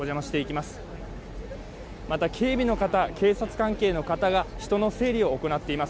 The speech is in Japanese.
また警備の方、警察関係の方が人の整理を行っています。